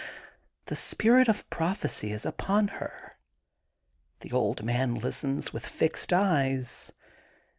The spirit of prophecy is upon her. The old man listens with fixed eyes.